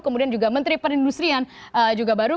kemudian juga menteri perindustrian juga baru